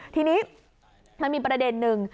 ทีนี้มันมีประเด็นนึง